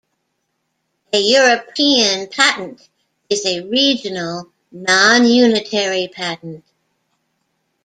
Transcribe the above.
A European patent is a regional, non-unitary patent.